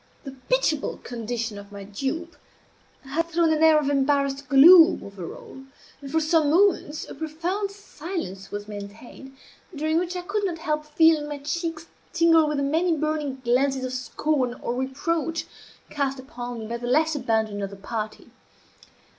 The pitiable condition of my dupe had thrown an air of embarrassed gloom over all; and for some moments a profound silence was maintained, during which I could not help feeling my cheeks tingle with the many burning glances of scorn or reproach cast upon me by the less abandoned of the party.